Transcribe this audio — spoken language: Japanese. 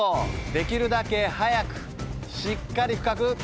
できるだけ速くしっかり深く。